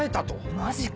マジか。